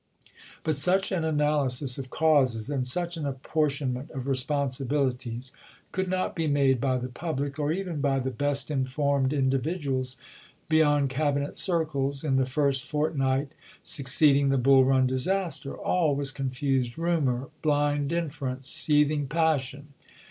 BULL EUN 361 But such an analysis of causes and such an ap chap.xx. portionment of responsibilities could not be made by the public, or even by the best informed individ uals beyond Cabinet circles, in the first fortnight succeeding the Bull Run disaster. All was con fused rumor, blind inference, seething passion.